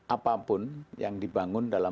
apapun yang dibangun dalam